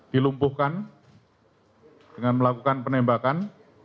dilumpuhkan dengan melakukan penembakan